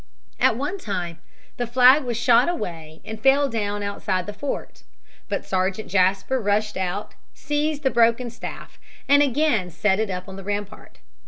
At one time the flag was shot away and fell down outside the fort. But Sergeant Jasper rushed out, seized the broken staff, and again set it up on the rampart.